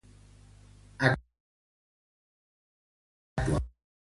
Actualment el conflicte és molt actiu.